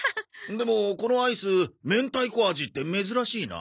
でもこのアイス明太子味って珍しいな。